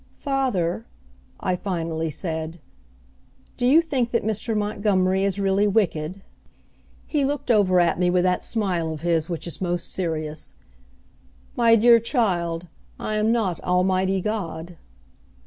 "Father," I finally said, "do you think that Mr. Montgomery is really wicked?" He looked over at me with that smile of his which is most serious. "My dear child, I am not Almighty God."